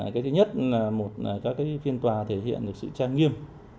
cái thứ nhất là một các phiên tòa thể hiện được sự trang nghiêm